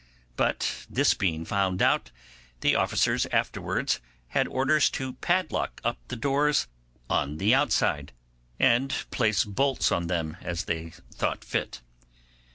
But this being found out, the officers afterwards had orders to padlock up the doors on the outside, and place bolts on them as they thought fit.